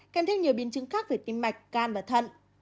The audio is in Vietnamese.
kèm theo nhiều biến chứng khác về tim mạch can và thận